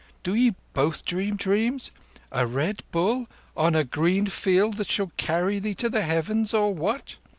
"Do ye both dream dreams? A Red Bull on a green field, that shall carry thee to the heavens or what?